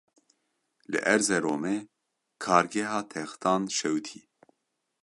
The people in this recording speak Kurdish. Li Erzeromê kargeha textan şewitî.